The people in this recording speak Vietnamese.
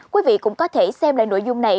quý vị cũng có thể xem lại nội dung này